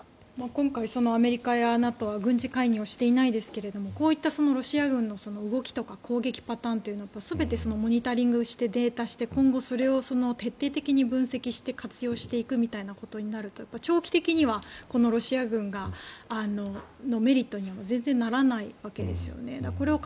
今回アメリカやＮＡＴＯは軍事介入をしていないですけどこういったロシア軍の動きとか攻撃パターンというのを全てモニタリングしてデータにして今後、それを徹底的に分析して活用していくとなるとやっぱり長期的にはロシア軍のメリットには全然ならないわけですよね。